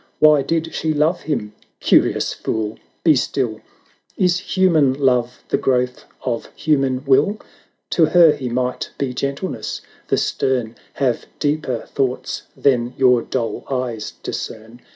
Why did she love him ? Curious fool !— 'be still — Is human love the growth of human will ? To her he might be gentleness; the stern Have deeper thoughts than your dull eyes discern.